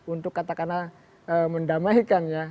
untuk katakanlah mendamahikannya